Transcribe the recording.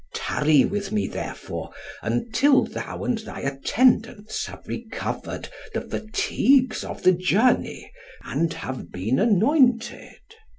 Tarry with me therefore, until thou and thy attendants have recovered the fatigues of the journey, and have been anointed."